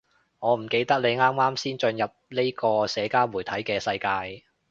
我唔記得你啱啱先進入呢個社交媒體嘅世界